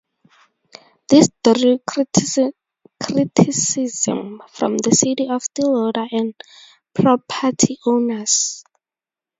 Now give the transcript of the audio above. This drew criticism from the city of Stillwater and property owners.